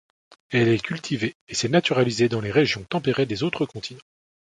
Elle est cultivée et s'est naturalisée dans les régions tempérées des autres continents.